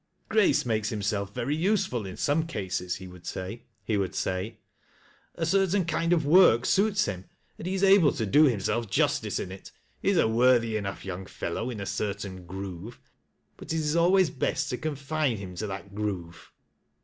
" Grace makes himself very useful in some cases," he would say ;" a certain kind of work suits him, and he is able to do himself justice in it. He is a worthy enough young fellow in a certain groove, but it is always best to confine him to that groove."